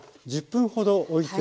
１０分ほどおいておく。